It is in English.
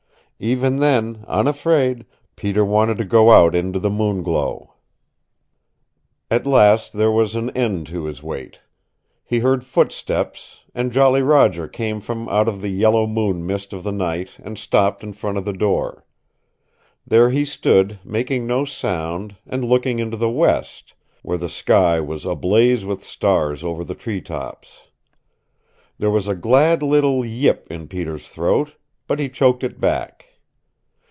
Even then unafraid Peter wanted to go out into the moon glow! At last, there was an end to his wait. He heard footsteps, and Jolly Roger came from out of the yellow moon mist of the night and stopped in front of the door. There he stood, making no sound, and looking into the west, where the sky was ablaze with stars over the tree tops. There was a glad little yip in Peter's throat, but he choked it back.